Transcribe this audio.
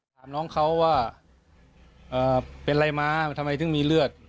ถามน้องเขาว่าเป็นอะไรมาทำไมถึงมีเลือด